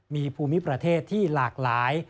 มีภูมิประเทศที่หลากหลาย